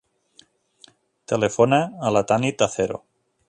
Telefona a la Tanit Acero.